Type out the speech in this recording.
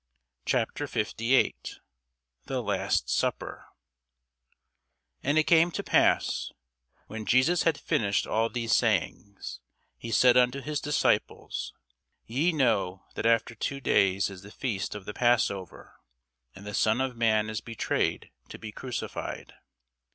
CHAPTER 58 THE LAST SUPPER AND it came to pass, when Jesus had finished all these sayings, he said unto his disciples, Ye know that after two days is the feast of the passover, and the Son of man is betrayed to be crucified.